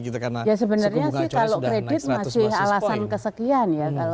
sebenarnya sih kalau kredit masih alasan kesekian